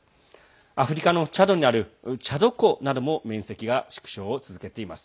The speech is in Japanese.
アフリカのチャドにあるチャド湖なども面積が縮小を続けています。